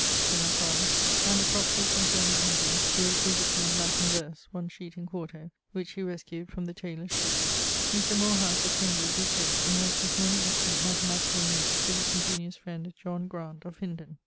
king of France, and a prophecy concerning England, curiously written in Latin verse, one sheet in 4to, which he rescued from the tayler's sheeres. Mr. Moorhouse (of Cambridge) is dead and left his many excellent mathematicall notes to his ingeniose friend, John Graunt, of Hindon.